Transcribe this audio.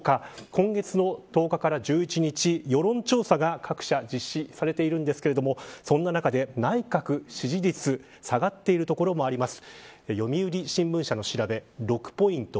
今月の１０日から１１日世論調査が各社実施されているんですけどそんな中で内閣支持率下がっているところもあります。